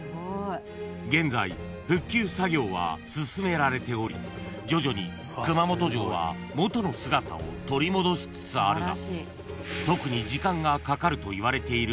［現在復旧作業は進められており徐々に熊本城は元の姿を取り戻しつつあるが］